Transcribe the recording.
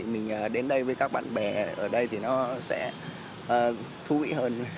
mình đến đây với các bạn bè ở đây thì nó sẽ thú vị hơn